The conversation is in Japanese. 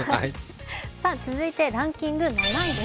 続いてランキング７位です。